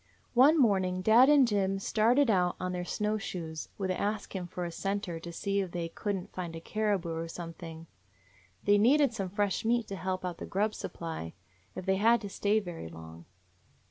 "One morning dad and Jim started out on their snow shoes, with Ask Him for a scenter, to see if they could n't find a caribou or some thing. They needed some fresh meat to help out the grub supply, if they had to stay very long.